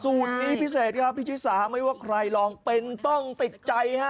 นี้พิเศษครับพี่ชิสาไม่ว่าใครลองเป็นต้องติดใจฮะ